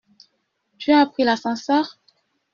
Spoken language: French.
Tu as pris l’ascenseur?